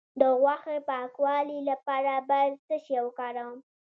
د غوښې د پاکوالي لپاره باید څه شی وکاروم؟